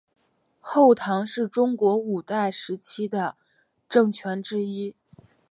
后唐是中国五代时期的政权之一。